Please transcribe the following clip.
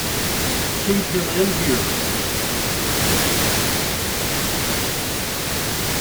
Keep him in here!